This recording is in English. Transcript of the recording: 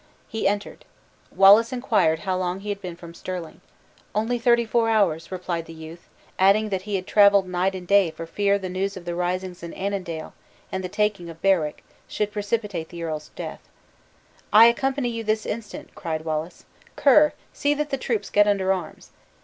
He entered. Wallace inquired how long he had been from Stirling. "Only thirty four hours," replied the youth, adding that he had traveled night and day for fear the news of the risings in Annandale, and the taking of Berwick, should precipitate the earl's death. "I accompany you this instant," cried Wallace! "Ker, see that the troops get under arms."